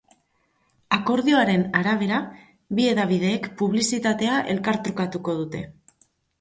Akordioaren arabera, bi hedabideek publizitatea elkartrukatuko dute.